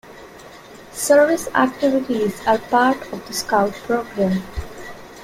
Service activities are part of the Scout program.